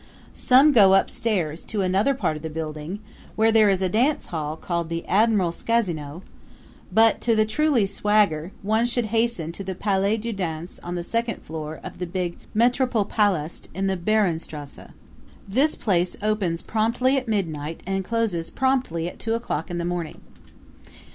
Some go upstairs to another part of the building, where there is a dancehall called the Admiralskasino; but, to the truly swagger, one should hasten to the Palais du Danse on the second floor of the big Metropolpalast in the Behrenstrasse. This place opens promptly at midnight and closes promptly at two o'clock in the morning.